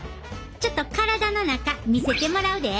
ちょっと体の中見せてもらうで。